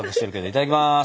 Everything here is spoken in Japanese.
いただきます。